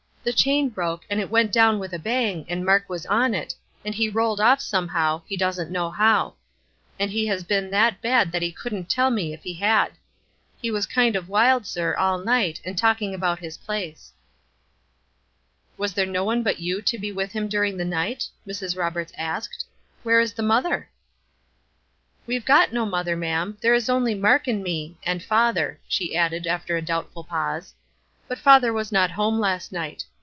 "The chain broke, and it went down with a bang, and Mark was on it, and he rolled off somehow, he doesn't know how; and he has been that bad that he couldn't tell me if he had. He was kind of wild, sir, all night, and talking about his place." "Was there no one but you to be with him during the night?" Mrs. Roberts asked. "Where is the mother?" "We've got no mother, ma'am; there is only Mark and me and father," she added, after a doubtful pause. "But father was not at home last night.